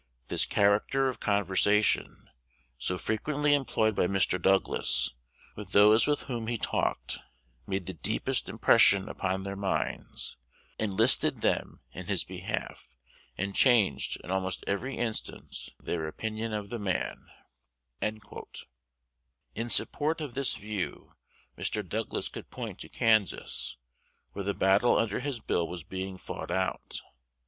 This character of conversation, so frequently employed by Mr. Douglas with those with whom he talked, made the deepest impression upon their minds, enlisted them in his behalf, and changed, in almost every instance, their opinion of the man." In support of this view, Mr. Douglas could point to Kansas, where the battle under his bill was being fought out.